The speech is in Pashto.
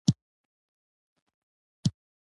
د فیصلې متن راوړه چې اصلاح شي.